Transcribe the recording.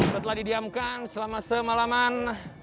setelah didiamkan selama semalaman